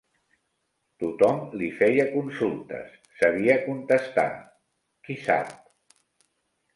Tot-hom li feia consultes, sabia contestar – Qui sap!